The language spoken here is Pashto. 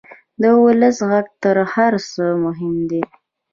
د ولس غږ تر هر څه مهم دی.